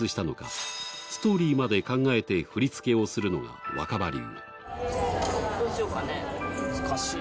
ストーリーまで考えて振り付けをするのが若葉流。